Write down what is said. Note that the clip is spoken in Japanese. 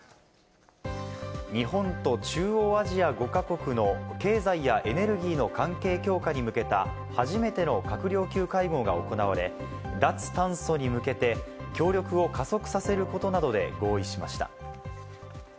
日本と中央アジア５か国の経済やエネルギーの関係強化に向けた初めての閣僚級会合が行われ、脱炭素に向けて協力を加速させることなどで合意しました。